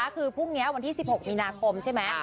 คือพรุ่งนี้วันที่๑๖มีนาคมใช่ไหม